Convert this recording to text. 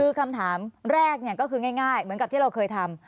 คือคำถามแรกก็คือง่ายเหมือนกับที่เราเคยทำ